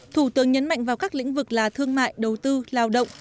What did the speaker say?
thủ tướng nhấn mạnh vào các lĩnh vực là thương mại đầu tư lao động